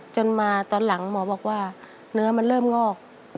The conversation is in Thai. จนมาตอนหลังหมอบอกว่าเนื้อมันเริ่มงอก